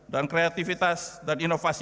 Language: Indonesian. dan kreativitas dan inovasi